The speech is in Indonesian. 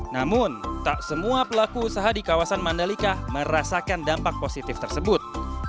namun tak semua pelaku usaha di kawasan mandalika merasakan dampak positif tersebut